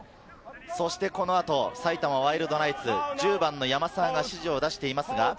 埼玉ワイルドナイツ、１０番の山沢が指示を出しています。